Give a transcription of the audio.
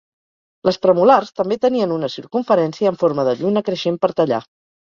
Les premolars també tenien una circumferència en forma de lluna creixent per tallar.